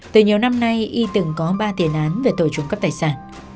từ nhiều năm nay y từng có ba tiền án về tội trúng cấp tài sản